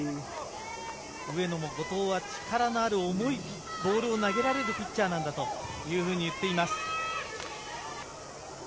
上野も後藤は力のある重いボールを投げられるピッチャーなんだと言っています。